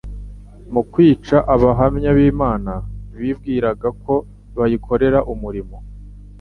Mu kwica abahamya b'Imana bibwiraga ko bayikorera umurimo.